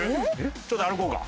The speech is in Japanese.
ちょっと歩こうか。